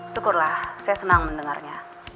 syukurlah saya senang mendengarnya